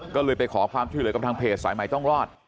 ก็เลยไปขอความช่วยเหลือกับทางเพจสายใหม่ต้องรอด